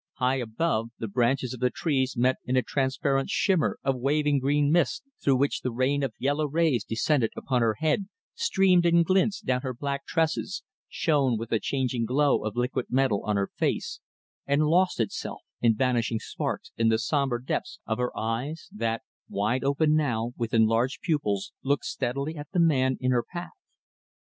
High above, the branches of the trees met in a transparent shimmer of waving green mist, through which the rain of yellow rays descended upon her head, streamed in glints down her black tresses, shone with the changing glow of liquid metal on her face, and lost itself in vanishing sparks in the sombre depths of her eyes that, wide open now, with enlarged pupils, looked steadily at the man in her path.